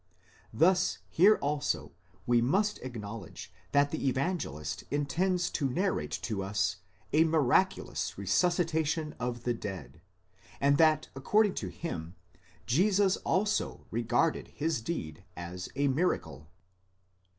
Thus here also we must acknowledge that the Evan gelist intends to narrate to us a miraculous resuscitation of the dead, and that according to him, Jesus also regarded his deed as a miracle.